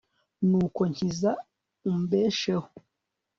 nuko nkiza umbesheho